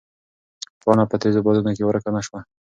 پاڼه په تېزو بادونو کې ورکه نه شوه.